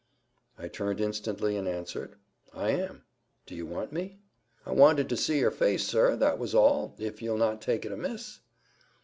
I turned instantly and answered, "I am. Do you want me?" "I wanted to see yer face, sir, that was all, if ye'll not take it amiss."